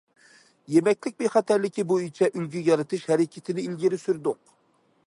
يېمەكلىك بىخەتەرلىكى بويىچە ئۈلگە يارىتىش ھەرىكىتىنى ئىلگىرى سۈردۇق.